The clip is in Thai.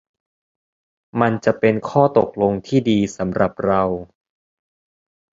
มันจะเป็นข้อตกลงที่ดีสำหรับเรา